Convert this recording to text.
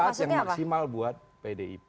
saat yang maksimal buat pdip